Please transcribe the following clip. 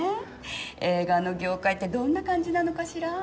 映画の業界ってどんな感じなのかしら？